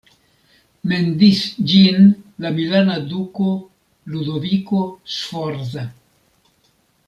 Mendis ĝin la milana duko Ludoviko Sforza.